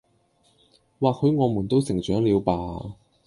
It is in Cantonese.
或許我們都成長了吧